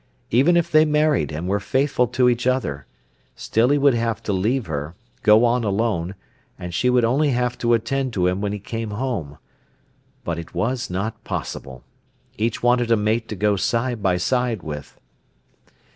Even if they married, and were faithful to each other, still he would have to leave her, go on alone, and she would only have to attend to him when he came home. But it was not possible. Each wanted a mate to go side by side with.